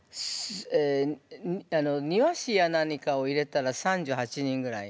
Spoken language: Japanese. え庭師や何かを入れたら３８人ぐらい。